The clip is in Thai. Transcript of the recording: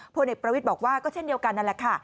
พลเอกประวิทย์บอกว่าก็เช่นเดียวกันนั่นแหละค่ะ